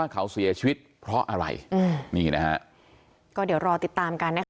เขาเสียชีวิตเพราะอะไรอืมนี่นะฮะก็เดี๋ยวรอติดตามกันนะคะ